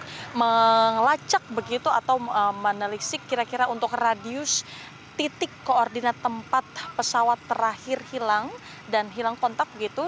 mereka mengelacak begitu atau menelisik kira kira untuk radius titik koordinat tempat pesawat terakhir hilang dan hilang kontak begitu